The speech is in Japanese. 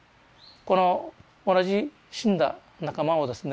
この同じ死んだ仲間をですね